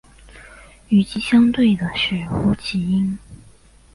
与其相对的是呼气音。